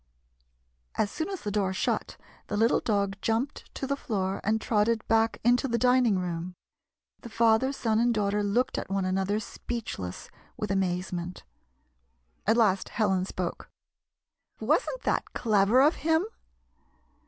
As soon as the door shut, the little dog jumped to the floor and trotted back into the dining room. The father, son and daughter looked at one another speechless with amazement. At last Helen spoke :" Was n't that clever of him